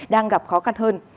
đang gặp khó khăn hơn